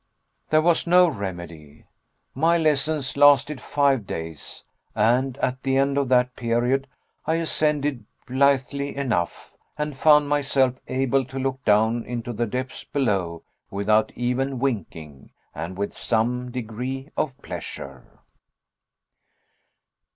There was no remedy. My lessons lasted five days, and at the end of that period, I ascended blithely enough, and found myself able to look down into the depths below without even winking, and with some degree of pleasure.